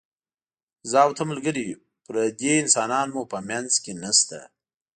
زه او ته ملګري یو، پردي انسانان مو په منځ کې نشته.